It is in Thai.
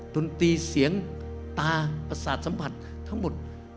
ดนตรีเสียงตาประสาทสัมผัสทั้งหมด